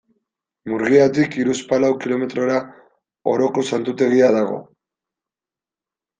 Murgiatik hiruzpalau kilometrora Oroko Santutegia dago.